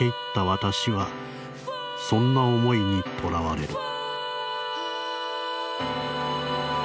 私はそんな思いにとらわれる」。